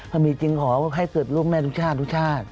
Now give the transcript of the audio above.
ถ้ามีจริงขอให้เกิดลูกแม่ทุกชาติทุกชาติ